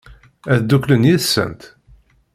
Ad dduklen yid-sent?